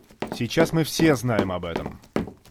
Сейчас мы все знаем об этом.